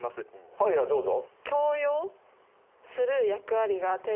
はいはいどうぞ。